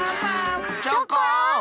チョコン！